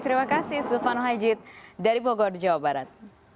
terima kasih silvano hajid dari bogor jawa barat